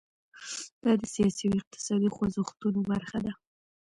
دا د سیاسي او اقتصادي خوځښتونو برخه ده.